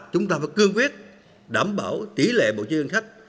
chúng ta phải cương quyết đảm bảo tỷ lệ bộ chi ngân sách